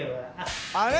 あれ？